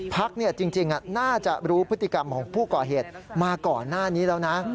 พักจริงน่าจะรู้พฤติกรรมของผู้ก่อเหตุมาก่อนหน้านี้แล้วนะ